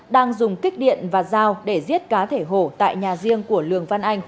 đang dùng kích điện và dao để giết cá thể hổ tại nhà riêng